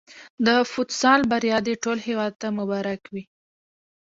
د فوتسال بریا دې ټول هېواد ته مبارک وي.